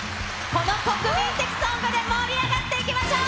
この国民的ソングで盛り上がっていきましょう。